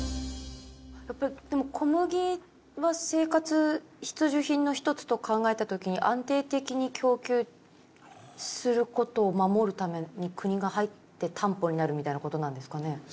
小麦は生活必需品の一つと考えた時に安定的に供給する事を守るために国が入って担保になるみたいな事なんですかね？